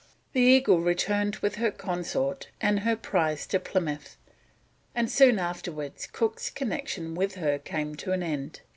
The Eagle returned with her consort and her prize to Plymouth, and soon afterwards Cook's connection with her came to an end.